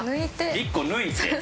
１個抜いて。